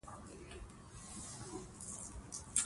مور د ماشومانو د خوب او بیدارۍ وخت منظم کوي.